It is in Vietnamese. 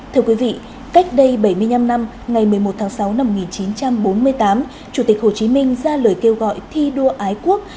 thưa quý vị cách đây bảy mươi năm năm ngày một mươi một tháng sáu năm một nghìn chín trăm bốn mươi tám chủ tịch hồ chí minh ra lời kêu gọi thi đua ái quốc